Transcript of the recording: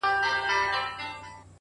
دې وطن کاڼي – گیا ته په ضرر نه یم! خو!